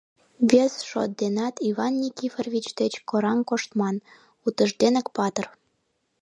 Вес шот денат Иван Никифорович деч кораҥ коштман: утыжденак патыр.